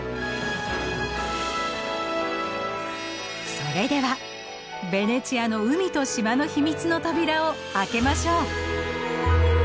それではベネチアの海と島の秘密の扉を開けましょう。